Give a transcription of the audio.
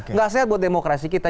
nggak sehat buat demokrasi kita